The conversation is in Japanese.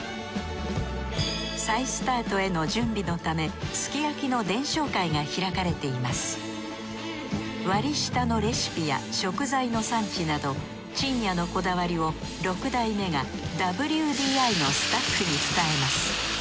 再スタートへの準備のため割り下のレシピや食材の産地などちんやのこだわりを六代目がＷＤＩのスタッフに伝えます。